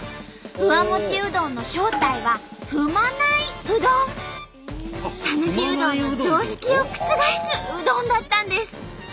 フワモチうどんの正体はさぬきうどんの常識を覆すうどんだったんです。